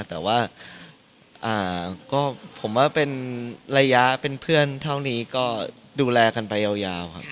แต่ว่าก็ผมว่าเป็นระยะเป็นเพื่อนเท่านี้ก็ดูแลกันไปยาวครับ